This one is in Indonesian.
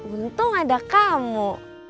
untung ada kamu